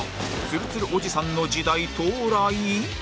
ツルツルおじさんの時代到来？